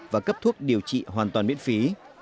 và cấp thuốc điều trị hoàn toàn miễn phí